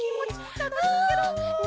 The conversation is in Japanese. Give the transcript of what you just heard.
たのしいケロ！ね！